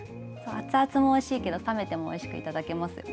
熱々もおいしいけど冷めてもおいしく頂けます。